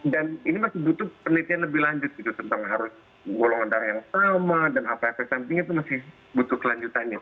ini masih butuh penelitian lebih lanjut gitu tentang harus golongan darah yang sama dan apa efek sampingnya itu masih butuh kelanjutannya